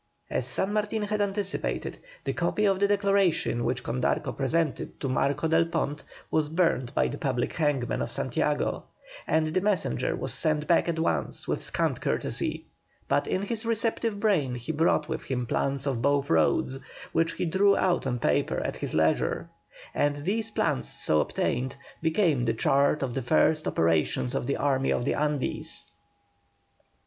As San Martin had anticipated, the copy of the declaration which Condarco presented to Marcó del Pont, was burned by the public hangman of Santiago, and the messenger was sent back at once with scant courtesy, but in his receptive brain he brought with him plans of both roads, which he drew out on paper at his leisure, and these plans so obtained, became the chart of the first operations of the Army of the Andes.